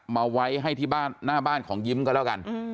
มาไว้ให้ที่บ้านหน้าบ้านของยิ้มก็แล้วกัน